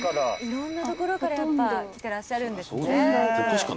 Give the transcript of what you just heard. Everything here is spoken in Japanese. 色んな所からやっぱ来てらっしゃるんですね。